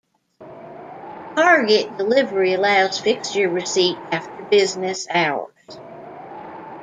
Target delivery allows fixture receipt after business hours.